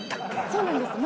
そうなんです。